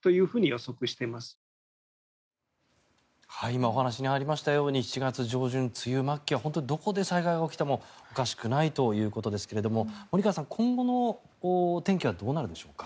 今、お話にありましたように７月上旬、梅雨末期はどこで災害が起きてもおかしくないということですが森川さん、今後の天気はどうなるでしょうか。